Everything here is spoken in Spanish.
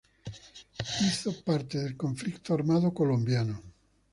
Hizo parte del conflicto armado colombiano.